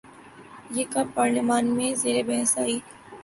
یہ کب پارلیمان میں زیر بحث آئی؟